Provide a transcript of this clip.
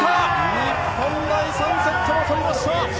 日本、第３セットを取りました！